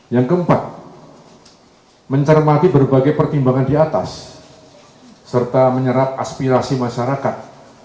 yang keempat mencermati berbagai pertimbangan di atas serta menyerap aspirasi masyarakat